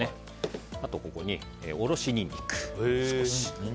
あとはここにおろしニンニクを少し。